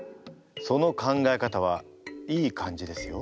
その考え方はいい感じですよ。